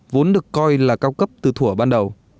vốn được coi là cao cấp từ thủa ban đầu